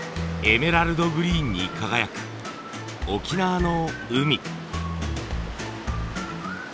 エメラルドグリーンに輝く沖縄の海。